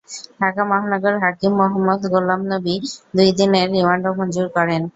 ঢাকা মহানগর হাকিম মোহাম্মদ গোলাম নবী দুই দিনের রিমান্ড মঞ্জুর করেন।